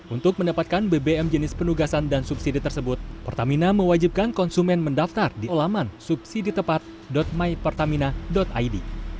untuk mendapatkan bbm jenis penugasan dan subsidi tersebut pertamina mewajibkan konsumen mendaftar di alaman subsiditepat mypertamina id